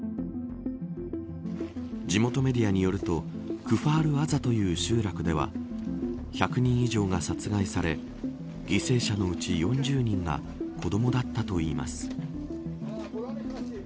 地元メディアによるとクファール・アザという集落では１００人以上が殺害され犠牲者のうち４０人が子どもだったといいます。